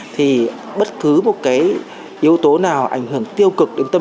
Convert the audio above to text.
thì bất cứ một yếu tố nào ảnh hưởng tiêu cực đến tâm lý nhà đầu tư